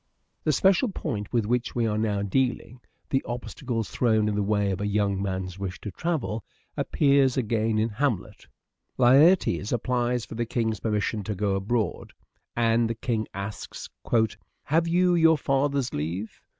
The special point with which we are now dealing — Shakespeare the obstacles thrown in the way of a young man's " wish to travel — appears again in " Hamlet." Laertes applies for the king's permission to go abroad, and the king asks, " Have you your father's leave